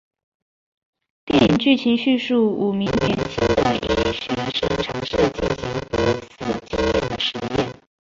电影剧情叙述五名年轻的医学生尝试进行濒死经验的实验。